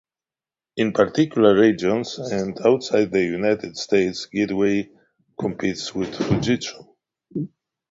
In particular regions and outside the United States, Gateway competes with Fujitsu.